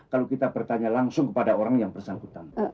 kalau kita bertanya langsung kepada orang yang bersangkutan